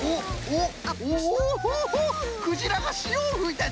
おっ！